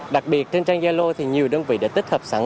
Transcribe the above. đặc biệt trên trang gia lô thì nhiều đơn vị đã tích hợp sẵn